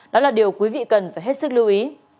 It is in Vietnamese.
đó là điều quý vị cần phải hết sức lưu ý